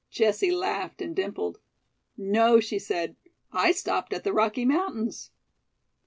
Jessie laughed and dimpled. "No," she said; "I stopped at the Rocky Mountains."